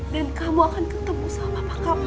dan kamu akan ketemu sama papa kamu